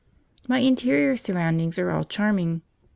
My interior surroundings are all charming.